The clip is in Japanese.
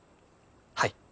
はい。